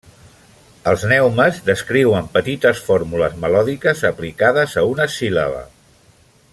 Els neumes descriuen petites fórmules melòdiques aplicades a una síl·laba.